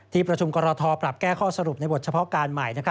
ประชุมกรทปรับแก้ข้อสรุปในบทเฉพาะการใหม่